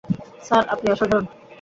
Sir, আপনি অসাধারণ।